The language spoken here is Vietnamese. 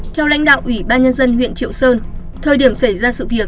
theo lãnh đạo ủy ban nhân dân huyện triệu sơn thời điểm xảy ra sự việc